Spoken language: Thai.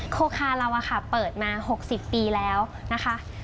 โคคาเราอะค่ะเปิดมา๖๐ปีแล้วนะคะ